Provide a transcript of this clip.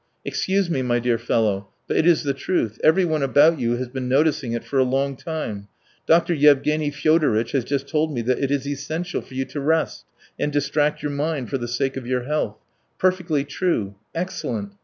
Excuse me, my dear fellow, but it is the truth; everyone about you has been noticing it for a long time. Dr. Yevgeny Fyodoritch has just told me that it is essential for you to rest and distract your mind for the sake of your health. Perfectly true! Excellent!